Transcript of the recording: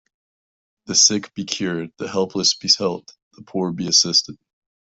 The sick be cured, the helpless be helped, the poor be assisted.